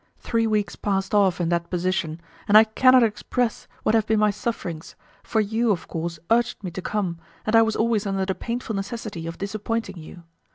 Three weeks passed off in that position, and I cannot express what have been my sufferings, for you, of course, urged me to come, and I was always under the painful necessity of disappointing you.